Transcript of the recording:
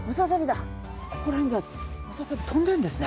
ここら辺じゃムササビが飛んでいるんですね。